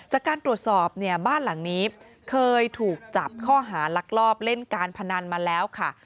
จากการตรวจสอบเนี่ยบ้านหลังนี้เคยถูกจับข้อหารักลอบเล่นการพนันมาแล้วค่ะ